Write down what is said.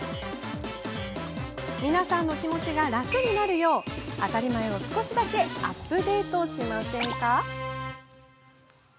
皆さんの気持ちが楽になるよう当たり前を少しだけアップデートしませんか？